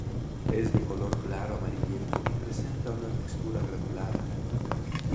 Es de color claro amarillento y presenta una textura granulada fina.